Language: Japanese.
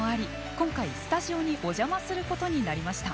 今回スタジオにおじゃますることになりました。